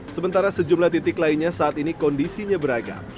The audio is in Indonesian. sementara sejumlah titik lainnya saat ini kondisinya beragam